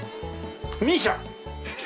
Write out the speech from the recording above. ＭＩＳＩＡ。